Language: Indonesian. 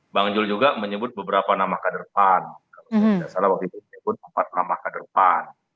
bang jul juga menyebut beberapa nama kader pan kalau tidak salah waktu itu menyebut empat nama kader pan